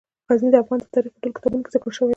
غزني د افغان تاریخ په ټولو کتابونو کې ذکر شوی دی.